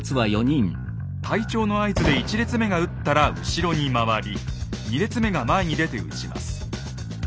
隊長の合図で１列目が撃ったら後ろに回り２列目が前に出て撃ちます。